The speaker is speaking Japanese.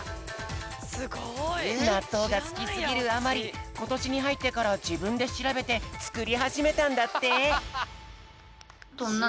すごい！なっとうがすきすぎるあまりことしにはいってからじぶんでしらべてつくりはじめたんだって。